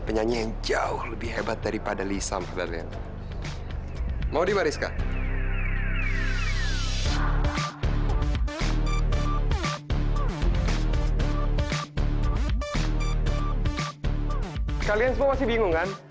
kita buktiin aja sendiri sekarang